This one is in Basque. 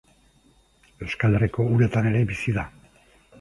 Euskal Herriko uretan ere bizi da.